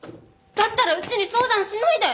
だったらうちに相談しないで。